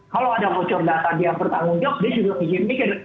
kalau ada bocor data dia bertanggung jawab dia juga mikir mikir